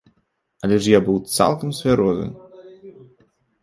Але ж я быў цалкам цвярозы!